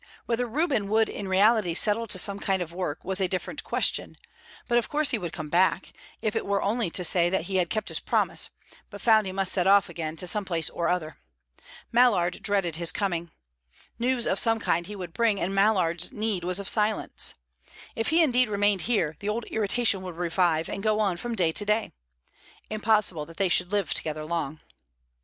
Whether Reuben would in reality settle to some kind of work was a different question; but of course he would come back, if it were only to say that he had kept his promise, but found he must set off again to some place or other. Mallard dreaded his coming. News of some kind he would bring, and Mallard's need was of silence. If he indeed remained here, the old irritation would revive and go on from day to day. Impossible that they should live together long.